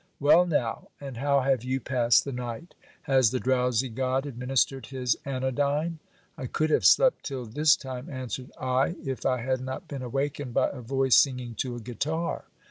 Well now ! and how have you passed the night ? Has the drowsy god administered his anodyne ? I could have slept till this time, answered I, if I had not been awakened by a voice singing to a guitar.